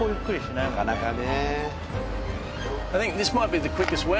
なかなかね。